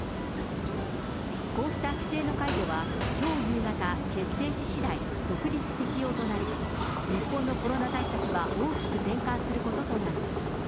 こうした規制の解除は、きょう夕方、決定ししだい、即日適用となり、日本のコロナ対策は大きく転換することとなる。